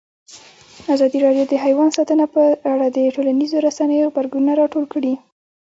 ازادي راډیو د حیوان ساتنه په اړه د ټولنیزو رسنیو غبرګونونه راټول کړي.